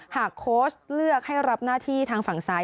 โค้ชเลือกให้รับหน้าที่ทางฝั่งซ้าย